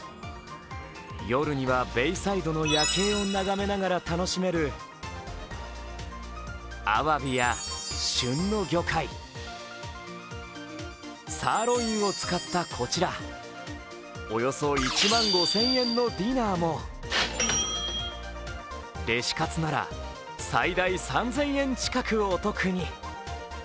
夜にはベイサイドの夜景をながめながら楽しめるあわびや旬の魚介、サーロインを使ったこちら、およそ１万５０００円のディナーもレシ活なら最大３０００円近くお得に。